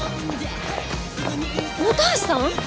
本橋さん？